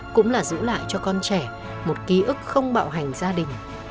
cũng là giữ lại cho con trẻ một ký ức không bạo hành gia đình